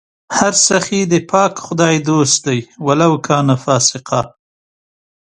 هر سخي د پاک خدای دوست دئ ولو کانَ فاسِقا